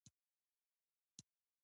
تاریخ د خپل ولس د سترگې په شان دی.